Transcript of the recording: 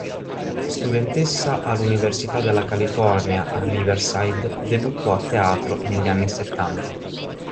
Studentessa all'Università della California a Riverside, debuttò a teatro negli anni settanta.